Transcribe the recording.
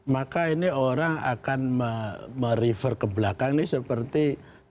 maka ini orang akan merifer ke belakang ini seperti